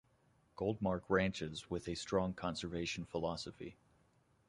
Goldmark ranches with a strong conservation philosophy.